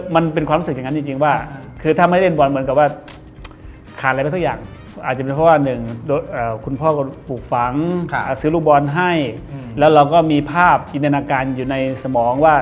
มันเป็นความรู้สึกอย่างนั้นจริงว่า